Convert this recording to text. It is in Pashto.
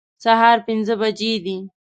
سهار پنځه بجې دي